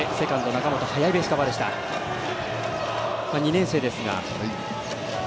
中本２年生ですが。